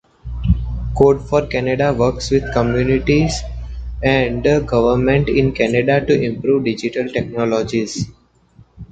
Code for Canada works with communities and government in Canada to improve digital technologies.